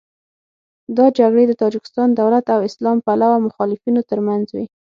دا جګړې د تاجکستان دولت او اسلام پلوه مخالفینو تر منځ وې.